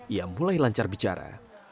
ia mulai lancar bicara